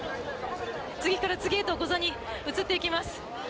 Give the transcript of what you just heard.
次から次へとゴザに移っていきます。